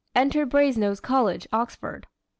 Entered Brasenose College, Oxford.